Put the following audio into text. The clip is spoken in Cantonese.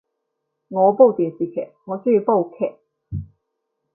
我煲電視劇，我鍾意煲劇